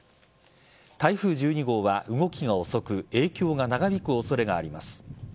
台風１２号は動きが遅く影響が長引く恐れがあります。